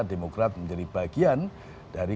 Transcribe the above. demokrat menjadi bagian dari